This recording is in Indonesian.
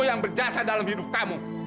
yang berjasa dalam hidup kamu